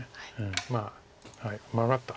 まあマガった。